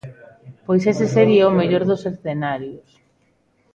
Pois ese sería o mellor dos escenarios.